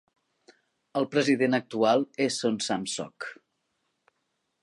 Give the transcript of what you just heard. El president actual és Son Sam-seok.